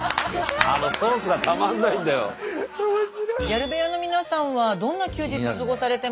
ギャル部屋の皆さんはどんな休日過ごされてますか？